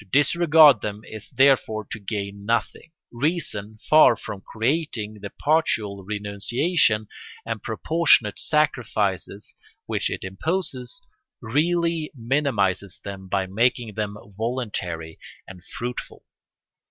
To disregard them is therefore to gain nothing: reason, far from creating the partial renunciation and proportionate sacrifices which it imposes, really minimises them by making them voluntary and fruitful.